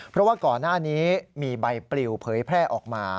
เพราะว่าก่อนหน้านี้มีใบปลิวเผยแพร่ออกมา